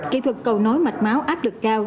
kỹ thuật cầu nối mạch máu áp lực cao